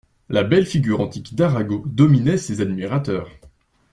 La belle figure antique d'Arago dominait ses admirateurs.